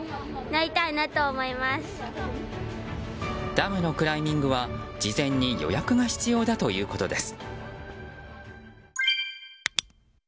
ダムのクライミングは事前に予約が必要だということです。